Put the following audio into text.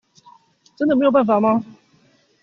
真的沒有辦法嗎？